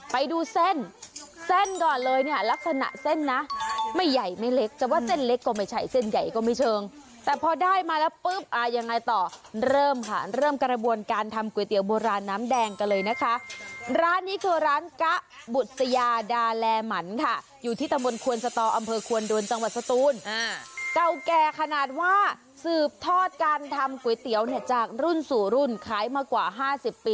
ไปดูเส้นเส้นก่อนเลยเนี่ยลักษณะเส้นนะไม่ใหญ่ไม่เล็กแต่ว่าเส้นเล็กก็ไม่ใช่เส้นใหญ่ก็ไม่เชิงแต่พอได้มาแล้วปุ๊บอ่ายังไงต่อเริ่มค่ะเริ่มกระบวนการทำก๋วยเตี๋ยวโบราณน้ำแดงกันเลยนะคะร้านนี้คือร้านกะบุษยาดาแหลมันค่ะอยู่ที่ตำบลควนสตอำเภอควนดุนจังหวัดสตูนอ่าเก่าแก่ขนาดว่าส